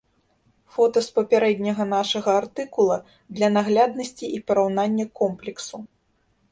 Фота з папярэдняга нашага артыкула для нагляднасці і параўнання комплексу.